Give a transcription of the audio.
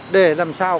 để làm sao